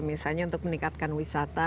misalnya untuk meningkatkan wisata